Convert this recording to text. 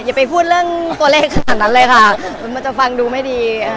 อย่าไปพูดเรื่องตัวเลขขนาดนั้นเลยค่ะมันจะฟังดูไม่ดีอ่า